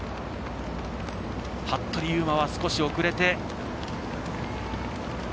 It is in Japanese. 服部勇馬は少し遅れて。